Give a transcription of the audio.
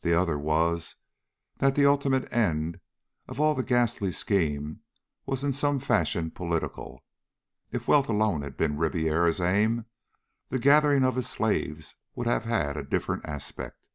The other was that the ultimate end of all the ghastly scheme was in some fashion political. If wealth alone had been Ribiera's aim, the gathering of his slaves would have had a different aspect.